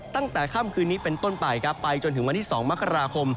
ตั้งแต่ค่ำคืนนี้เป็นต้นไปครับไปจนถึงวันที่๒มกราคม